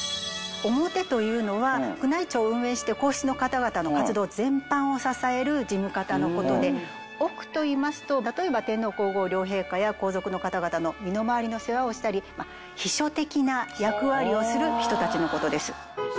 オモテというのは宮内庁を運営して皇室の方々の活動全般を支える事務方のことでオクといいますと例えば天皇皇后両陛下や皇族の方々の身の回りの世話をしたり秘書的な役割をする人たちのことです。